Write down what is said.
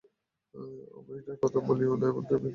আর, এটার কথাও কাউকে বলিও না, এমনকি পিঙ্কিকেও না।